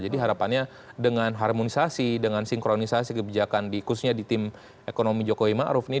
jadi harapannya dengan harmonisasi dengan sinkronisasi kebijakan di khususnya di tim ekonomi jokowi ma'ruf ini